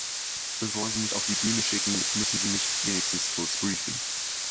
Bevor Sie mich auf die Bühne schicken, müssen Sie mich wenigstens kurz briefen.